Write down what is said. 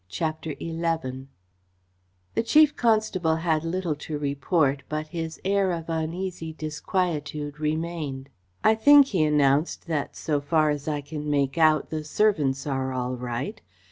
CHAPTER XI The Chief Constable had little to report, but his air of uneasy disquietude remained. "I think," he announced, "that, so far as I can make out, the servants are all right.